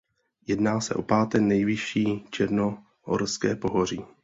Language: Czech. Jedná se o páté nejvyšší černohorské pohoří.